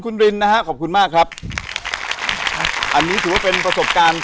คุณรินนะฮะขอบคุณมากครับอันนี้ถือว่าเป็นประสบการณ์